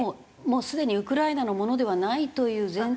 もうすでにウクライナのものではないという前提の？